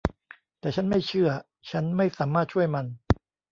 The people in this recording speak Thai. แต่ฉันไม่เชื่อ ฉันไม่สามารถช่วยมัน